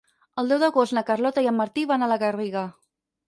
El deu d'agost na Carlota i en Martí van a la Garriga.